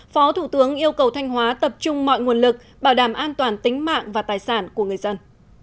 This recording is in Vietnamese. phó thủ tướng yêu cầu thanh hóa tập trung mọi nguồn lực bảo đảm an toàn tính mạng và tài sản của người dân